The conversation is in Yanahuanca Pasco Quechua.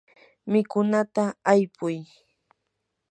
mikunata aypuy.